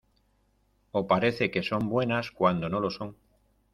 o parece que son buenas cuando no lo son.